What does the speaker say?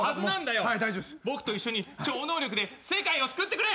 僕と一緒に超能力で世界を救ってくれ！